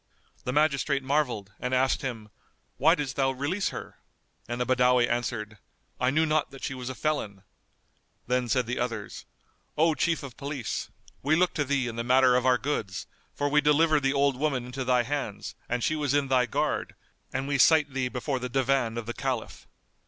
The magistrate marvelled and asked him, "Why didst thou release her?"; and the Badawi answered, "I knew not that she was a felon." Then said the others, "O Chief of Police, we look to thee in the matter of our goods; for we delivered the old woman into thy hands and she was in thy guard; and we cite thee before the Divan of the Caliph."